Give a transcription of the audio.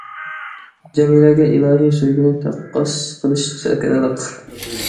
جەمىلەگە ئىلاھىي سۆيگۈنى تەققاس قىلىش چاكىنىلىق.